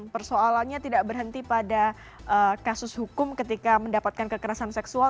persoalannya tidak berhenti pada kasus hukum ketika mendapatkan kekerasan seksual